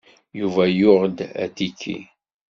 Yuba yuɣ-d atiki.